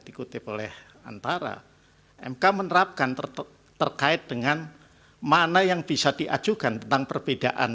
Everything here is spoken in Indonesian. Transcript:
dikutip oleh antara mk menerapkan terkait dengan mana yang bisa diajukan tentang perbedaan